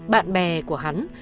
bạn bè của hắn